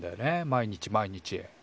毎日毎日。